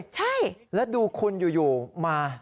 ใช่แล้วดูคุณอยู่มา